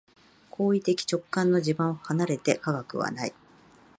行為的直観の地盤を離れて科学はない。